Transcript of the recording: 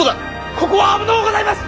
ここは危のうございます！